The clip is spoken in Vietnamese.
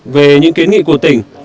về những kiến nghị của tỉnh